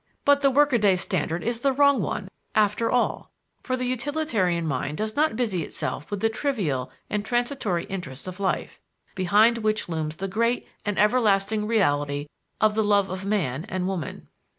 But the workaday standard is the wrong one, after all; for the utilitarian mind does but busy itself with the trivial and transitory interests of life, behind which looms the great and everlasting reality of the love of man and woman.